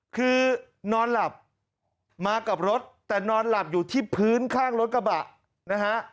คือนอนหลับมากับรถแต่นอนหลับอยู่ที่พื้นข้างรถกระบะนะฮะ